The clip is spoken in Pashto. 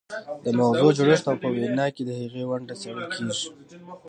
د مغزو جوړښت او په وینا کې د هغې ونډه څیړل کیږي